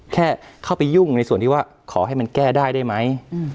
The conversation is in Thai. แค่เข้าไปยุ่งในส่วนที่ว่าขอให้มันแก้ได้ได้ไหม